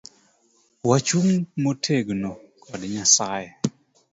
Wachung motegno kod nyasaye